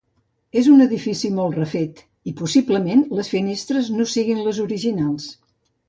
És un edifici molt refet i possiblement les finestres no siguin les originals.